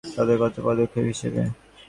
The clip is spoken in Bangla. সতর্কতামূলক পদক্ষেপ হিসেবে।